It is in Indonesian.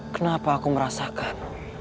kenapa aku merasakan